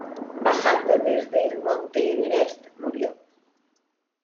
Bajando desde el monte Everest murió.